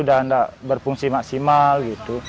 udah nggak berfungsi maksimal gitu